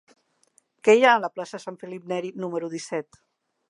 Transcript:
Què hi ha a la plaça de Sant Felip Neri número disset?